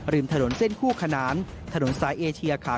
ริมถนนเส้นคู่ขนานถนนสายเอเชียขา